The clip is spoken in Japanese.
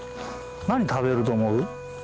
何食べると思う？